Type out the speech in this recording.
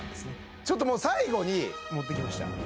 ちょっともう最後に持ってきました